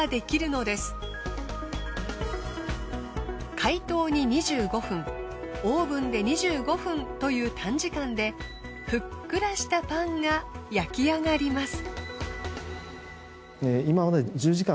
解凍に２５分オーブンで２５分という短時間でふっくらしたパンが焼きあがります。